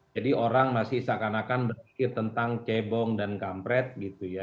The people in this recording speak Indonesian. jadi orang masih seakan akan berpikir tentang cebong dan kampret gitu ya